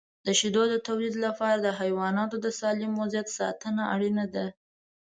د شیدو د تولید لپاره د حیواناتو د سالم وضعیت ساتنه اړینه ده.